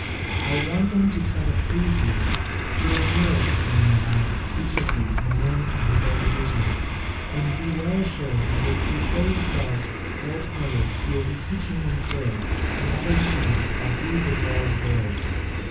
I want them to try to please you: you are nearer to them than I, each of you to the men of his own division: and be well assured that if you show yourselves stout hearted you will be teaching them courage, and others too, by deeds as well as words."